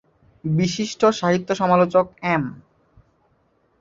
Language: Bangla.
বিশিষ্ট সাহিত্য সমালোচক এম।